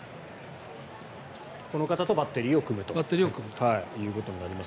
この方とバッテリーを組むことになります。